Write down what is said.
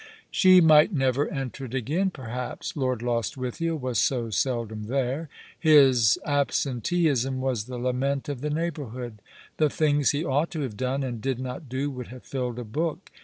She might never enter it again, perhaps. Lord Lost withiel was so seldom there. His absenteeism was the lament of the neighbourhood. The things ho ought to have done and did not do would have filled a book.